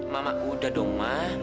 mama udah dong ma